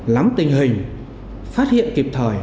lắm tình hình phát hiện kịp thời